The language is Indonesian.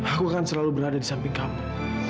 aku akan selalu berada di samping kamu